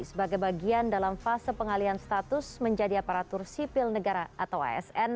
sebagai bagian dalam fase pengalian status menjadi aparatur sipil negara atau asn